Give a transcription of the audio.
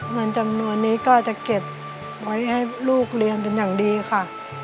เงินจำนวนนี้ก็จะเก็บไว้ให้ลูกเรียนเป็นอย่างดีค่ะ